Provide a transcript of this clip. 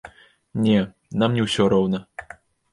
Не, нам не ўсё роўна.